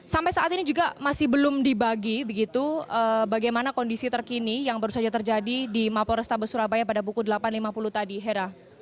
sampai saat ini juga masih belum dibagi begitu bagaimana kondisi terkini yang baru saja terjadi di mapo restabes surabaya pada pukul delapan lima puluh tadi hera